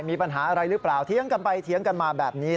มีปัญหาอะไรหรือเปล่าเดี๋ยวกันมาแบบนี้